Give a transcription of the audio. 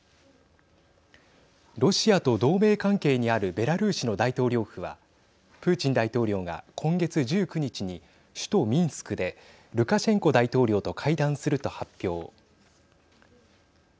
ロシアと同盟関係にあるベラルーシの大統領府はプーチン大統領が今月１９日に首都ミンスクでルカシェンコ大統領と会談すると発表。